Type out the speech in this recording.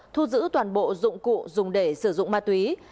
thu giữ toàn bộ dụng cụ dùng để sử dụng ma túy